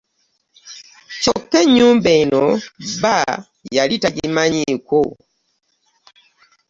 Kyokka ennyumba eno bba yali tagimanyiiko.